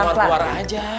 kok main keluar keluar aja